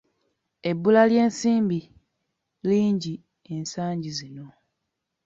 Ebbula ly’ensimbi lingi ensangi zino!